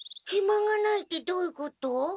ひまがないってどういうこと？